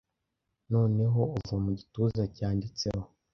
Noneho uva mu gituza cyanditseho